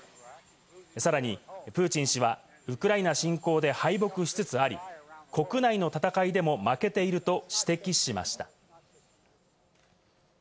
さらにプーチン氏はウクライナ侵攻で敗北しつつあり、国内の戦いでも負けていると指摘しました。